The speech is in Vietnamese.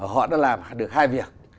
họ đã làm được hai việc